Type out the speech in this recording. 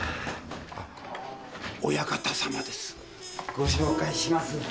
ご紹介します。